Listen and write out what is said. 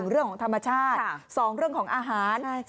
เรื่องของธรรมชาติ๒เรื่องของอาหาร